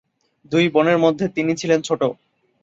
দুই বোনের মধ্যে তিনি ছিলেন ছোট।